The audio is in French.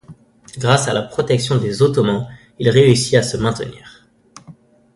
Grâce à la protection des Ottomans, il réussit à se maintenir.